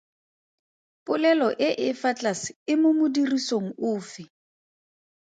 Polelo e e fa tlase e mo modirisong ofe?